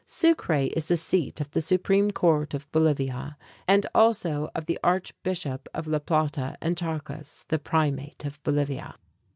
Sucre is the seat of the supreme court of Bolivia, and also of the archbishop of La Plata and Charcas, the primate of Bolivia.